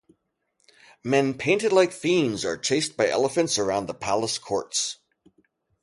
Men painted like fiends are chased by elephants around the palace courts.